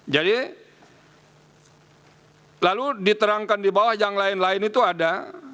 jadi lalu diterangkan di bawah yang lain lain itu ada